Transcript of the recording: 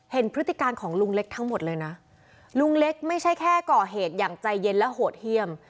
พฤติการของลุงเล็กทั้งหมดเลยนะลุงเล็กไม่ใช่แค่ก่อเหตุอย่างใจเย็นและโหดเยี่ยม